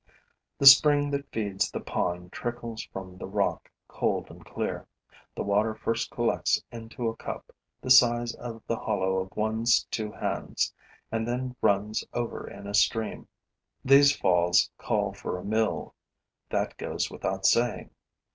The spring that feeds the pond trickles from the rock, cold and clear. The water first collects into a cup, the size of the hollow of one's two hands, and then runs over in a stream. These falls call for a mill: that goes without saying.